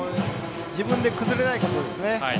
自分で崩れないことですね。